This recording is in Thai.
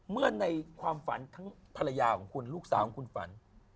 ในความฝันทั้งภรรยาของคุณลูกสาวของคุณฝัน